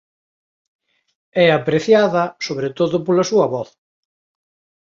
É apreciada sobre todo pola súa voz.